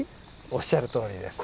おっしゃるとおりです。